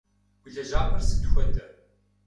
Уи лэжьапӏэр сыт хуэдэ?